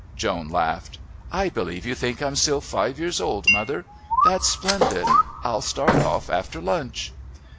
Joan laughed. "I believe you think I'm still five years old, mother. That's splendid. I'll start off after lunch."